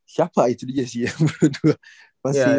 siapa itu dia sih yang menurut gue